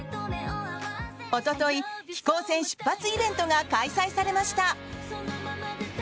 一昨日、飛行船出発イベントが開催されました。